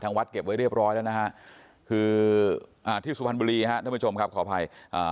ทางวัดเก็บไว้เรียบร้อยแล้วคือที่สุพรรณบุรีท่านผู้ชมขออภัย